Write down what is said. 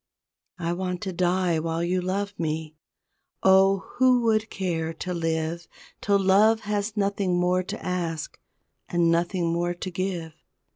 I want to die while you love me Oh, who would care to live Till love has nothing more to ask And nothing more to give!